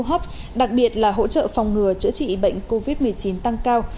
tới hô hấp đặc biệt là hỗ trợ phòng ngừa chữa trị bệnh covid một mươi chín tăng cao